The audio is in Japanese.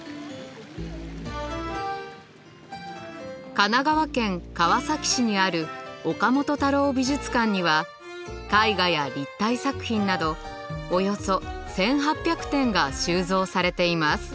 神奈川県川崎市にある岡本太郎美術館には絵画や立体作品などおよそ１，８００点が収蔵されています。